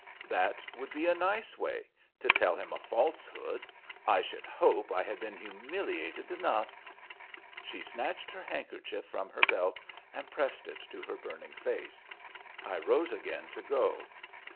"That would be a nice way to tell him a falsehood! I should hope I had been humiliated enough" She snatched her handkerchief from her belt and pressed it to her burning face. I rose again to go.